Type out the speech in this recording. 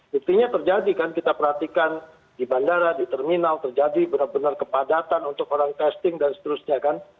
buktinya terjadi kan kita perhatikan di bandara di terminal terjadi benar benar kepadatan untuk orang testing dan seterusnya kan